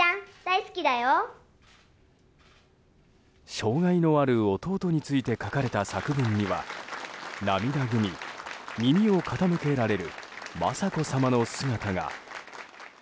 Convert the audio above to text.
障害のある弟について書かれた作文には涙ぐみ耳を傾けられる雅子さまの姿が。